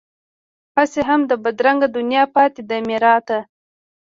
هسې هم بدرنګه دنیا پاتې ده میراته